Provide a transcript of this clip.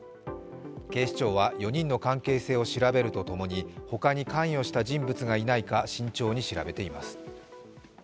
警視庁は４人の関係性を調べるとともにほかに関与した人物がいないか慎重に調べています。